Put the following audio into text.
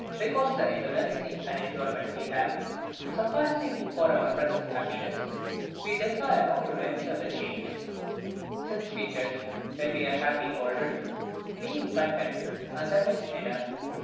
Because the indolency and enjoyment we have, sufficing for our present happiness, we desire not to venture the change; since we judge that we are happy already, being content, and that is enough.